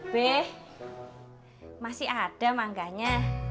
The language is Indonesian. beh masih ada mangganya